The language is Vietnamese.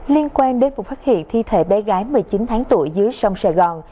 liên quan đến vụ phát hiện thi thể bé gái một mươi chín tháng tuổi dưới sông sài gòn